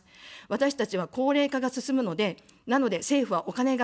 私たちは高齢化が進むので、なので政府はお金が使えません。